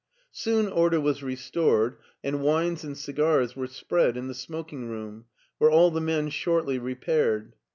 Soon order was restored, and wines and cigars were spread in the smoking room, where all the men shortly repaired.